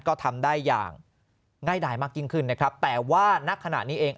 ก็ทำได้อย่างง่ายดายมากยิ่งขึ้นนะครับแต่ว่าณขณะนี้เอง